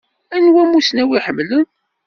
Anwa amussnaw i ḥemmlen?